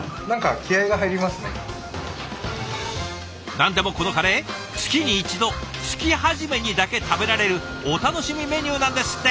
何でもこのカレー月に一度月初めにだけ食べられるお楽しみメニューなんですって。